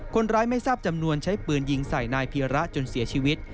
คนร้ายไม่ทราบจำนวนใช้ปืนยิงใส่นายเพียระจนเสียชีวิต